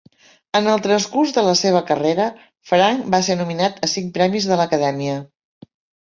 En el transcurs de la seva carrera, Frank va ser nominat a cinc premis de l'Acadèmia.